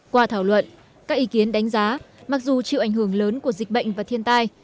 qua thảo luận các ý kiến đánh giá mặc dù chịu ảnh hưởng lớn của dịch bệnh và thiên tai